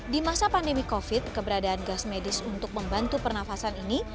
di masa pandemi covid keberadaan gas medis untuk membantu pernafasan ini